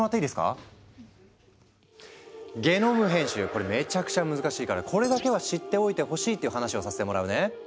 これめちゃくちゃ難しいからこれだけは知っておいてほしいっていう話をさせてもらうね。